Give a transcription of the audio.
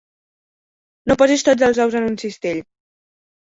No posis tots els ous en un cistell.